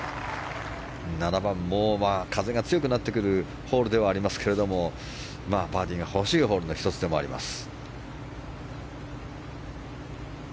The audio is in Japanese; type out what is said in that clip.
７番も風が強くなってくるホールではありますけどもバーディーが欲しいホールの１つでもあります。